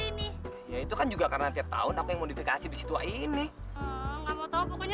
ini ya itu kan juga karena tiap tahun aku yang modifikasi disitu ini enggak mau tahu pokoknya